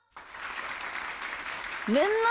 みんな！